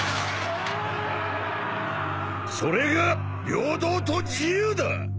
それが平等と自由だ！